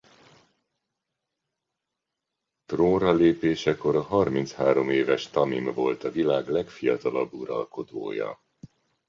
Trónra lépésekor a harminchárom éves Tamim volt a világ legfiatalabb uralkodója.